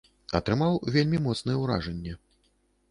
Атрымаў вельмі моцнае ўражанне.